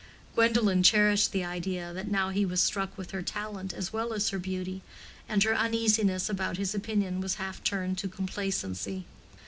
Gwendolen cherished the idea that now he was struck with her talent as well as her beauty, and her uneasiness about his opinion was half turned to complacency.